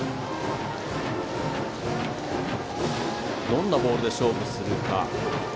どんなボールで勝負するのか。